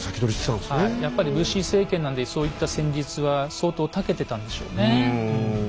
はいやっぱり武士政権なんでそういった戦術は相当たけてたんでしょうね。